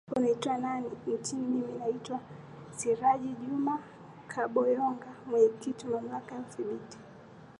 unaitwa nani nchini mimi naitwa siraju juma kaboyonga mwenyekiti wa mamlaka ya uthibiti